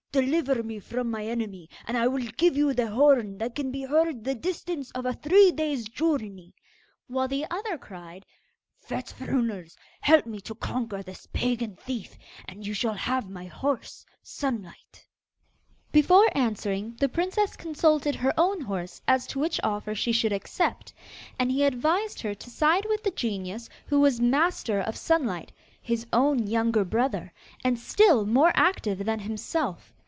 deliver me from my enemy, and I will give you the horn that can be heard the distance of a three days' journey;' while the other cried, 'Fet Fruners! help me to conquer this pagan thief, and you shall have my horse, Sunlight.' Before answering, the princess consulted her own horse as to which offer she should accept, and he advised her to side with the genius who was master of Sunlight, his own younger brother, and still more active than himself.